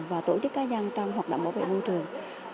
và tổ chức cá nhân trong hoạt động bảo vệ môi trường